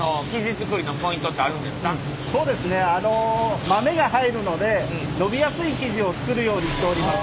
そうですねあの豆が入るので伸びやすい生地を作るようにしております。